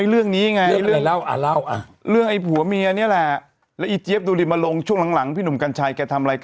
เห็นข้อความจากอีเจ๊ยบยังนะ